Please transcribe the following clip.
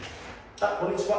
あっこんにちは